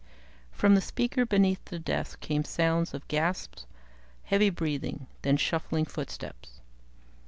"_ From the speaker beneath the desk came sounds of gasps, heavy breathing, then shuffling footsteps.